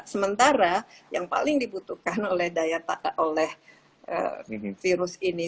sementara yang paling dibutuhkan oleh virus ini